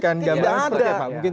ini tidak ada